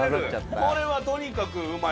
これはとにかくうまい。